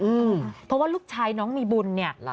เพราะว่าลูกชายน้องมีบุญเนี่ย